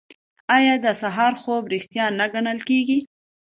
آیا د سهار خوب ریښتیا نه ګڼل کیږي؟